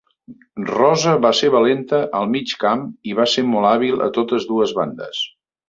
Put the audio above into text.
Rose va ser valenta al mig camp i va ser molt hàbil a totes dues bandes.